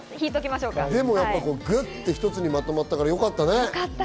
ぐっと一つにまとまったからよかったね。